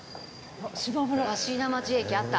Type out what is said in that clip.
あっ椎名町駅あった。